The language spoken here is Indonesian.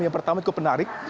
yang pertama itu penarik